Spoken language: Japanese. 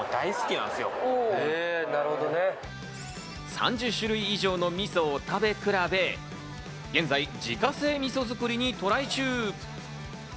３０種類以上のみそを食べ比べ、現在、自家製みそ作りにトライ中。